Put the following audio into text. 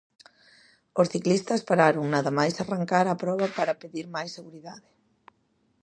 Os ciclistas pararon nada máis arrancar a proba para pedir máis seguridade.